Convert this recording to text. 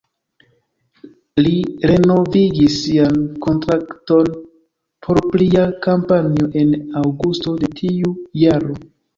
Li renovigis sian kontrakton por plia kampanjo en aŭgusto de tiu jaro.